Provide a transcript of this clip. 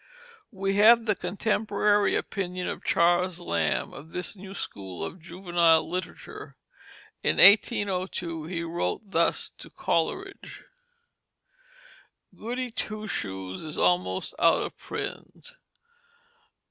We have the contemporary opinion of Charles Lamb of this new school of juvenile literature. In 1802 he wrote thus to Coleridge: "Goody Two Shoes is almost out of print.